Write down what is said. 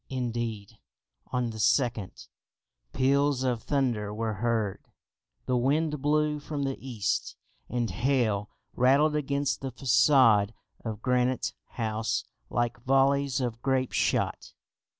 Indeed, on the 2nd, peals of thunder were heard, the wind blew from the east, and hail rattled against the façade of Granite House like volleys of grape shot.